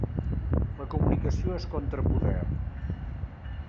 La comunicació és contrapoder.